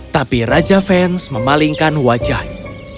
tapi raja fans memalingkan wajahnya